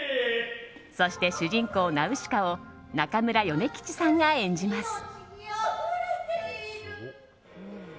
そして主人公ナウシカを中村米吉さんが演じます。